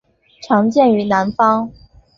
常见于南方。